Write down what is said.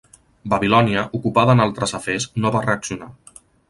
Babilònia, ocupada en altres afers no va reaccionar.